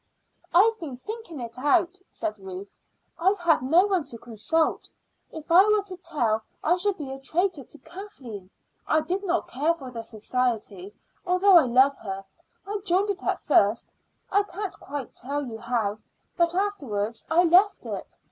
"I've been thinking it out," said Ruth; "I have had no one to consult. If I were to tell I should be a traitor to Kathleen. I did not care for the society, although I love her. I joined it at first I can't quite tell you how but afterwards I left it.